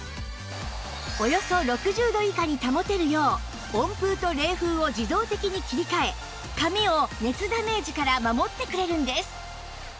およそ６０度以下に保てるよう温風と冷風を自動的に切り替え髪を熱ダメージから守ってくれるんです